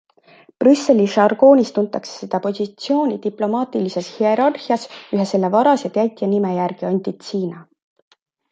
Brüsseli žargoonis tuntakse seda positsiooni diplomaatilises hierarhias ühe selle varase täitja nime järgi antici'na.